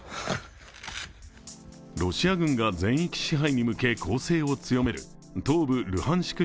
ロシア軍が全域支配に向け攻勢を強める東部ルハンシク